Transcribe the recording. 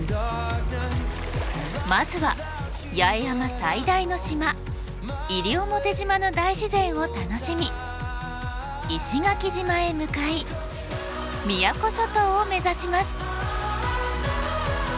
まずは八重山最大の島西表島の大自然を楽しみ石垣島へ向かい宮古諸島を目指します。